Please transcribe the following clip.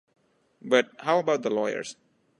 But how about the lawyers?